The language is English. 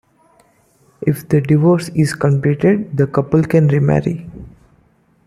If the divorce is completed, the couple can remarry.